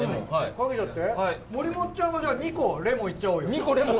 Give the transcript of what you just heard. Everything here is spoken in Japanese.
かけちゃって森もっちゃんもじゃあ、２個レモンいっちゃおうよ。